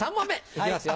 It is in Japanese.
行きますよ。